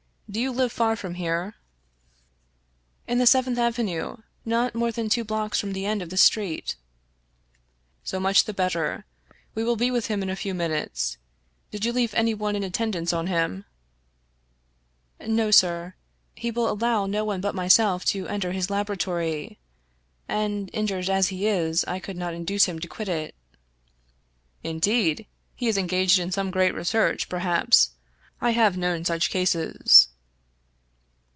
Do you live far from here?" lo Fitzjames O'Brien " In the Seventh Avenue, not more than two blocks from the end of this street." " So much the better. We will be with him in a few min utes. Did you leave anyone in attendance on him ?"" No, sir. He will allow no one but myself to enter his laboratory. And, injured as he is, I could not induce him to quit it." " Indeed I He is engaged in some great research, per haps ? I have known such cases."